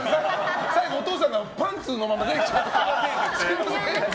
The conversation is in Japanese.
最後、お父さんがパンツのまま出てきちゃうとか。